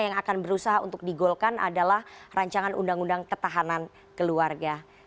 yang akan berusaha untuk digolkan adalah rancangan undang undang ketahanan keluarga